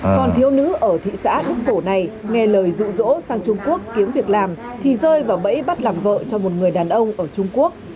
còn thiếu nữ ở thị xã đức phổ này nghe lời rụ rỗ sang trung quốc kiếm việc làm thì rơi vào bẫy bắt làm vợ cho một người đàn ông ở trung quốc